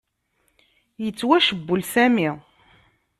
Yettwacewwel Sami.